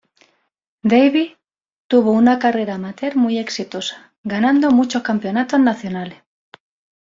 Davis tuvo una carrera amateur muy exitosa, ganando muchos campeonatos nacionales.